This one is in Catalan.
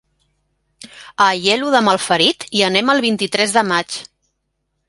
A Aielo de Malferit hi anem el vint-i-tres de maig.